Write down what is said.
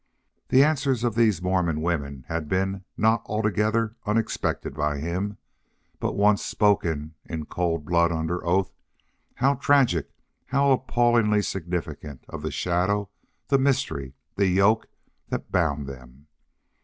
The answers of these Mormon women had been not altogether unexpected by him, but once spoken in cold blood under oath, how tragic, how appallingly significant of the shadow, the mystery, the yoke that bound them!